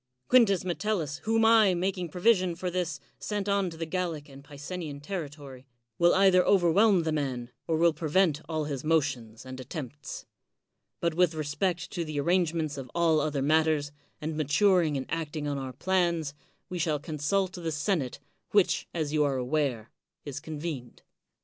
Quintns Metellus, whom I, making provision for this, sent on to the Gallic and Picenian territory, will either overwhelm the man, or will prevent all his motions and attempts ; but with respect to the ar rangements of all other matters, and maturing and acting on our plans, we shall consult the senate, wMch, as you are aware, is convened.